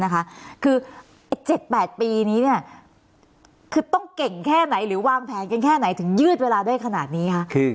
คือ๗๘ปีนี้คือต้องเก่งแค่ไหนหรือวางแผนกันแค่ไหนถึงยืดเวลาได้ขนาดนี้คะ